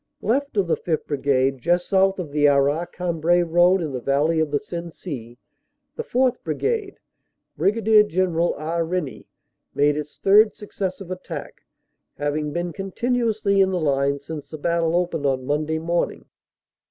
Left of the 5th. Brigade, just south of the Arras Cambrai road in the valley of the Sensee, the 4th. Brigade, Brig. Gen eral R. Rennie, made its third successive attack, having been continuously in the line since the battle opened on Monday morning.